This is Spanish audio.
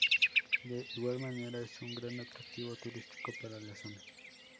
De igual manera, es un gran atractivo turístico para la zona.